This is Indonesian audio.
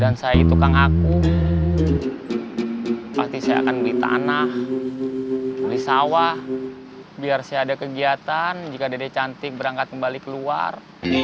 dan saya itu kakakku pasti saya akan beli tanah beli sawah biar saya ada kegiatan jika dedek cantik berangkat kembali keluar